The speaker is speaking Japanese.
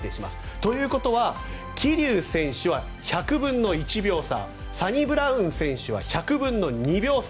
ということは桐生選手は１００分の１秒差サニブラウン選手は１００分の２秒差。